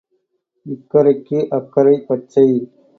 இக்கரைக்கு அக்கரை பச்சை.